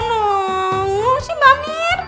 ngomong sih mbak mir